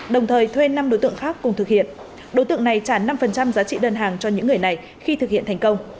đồng thời thuê năm đối tượng khác cùng thực hiện đối tượng này trả năm giá trị đơn hàng cho những người này khi thực hiện thành công